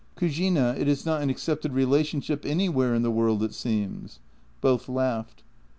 Cugina — it is not an accepted relationship anywhere in the world, it seems." Both laughed.